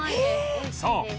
そう！